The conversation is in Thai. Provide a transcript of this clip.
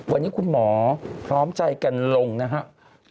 วันนี้คุณหมอพร้อมใจกันลงนะครับ